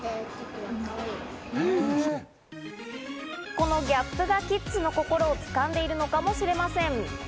このギャップがキッズの心を掴んでいるのかもしれません。